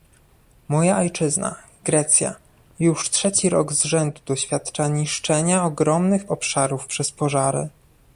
Moja ojczyzna, Grecja, już trzeci rok z rzędu doświadcza niszczenia ogromnych obszarów przez pożary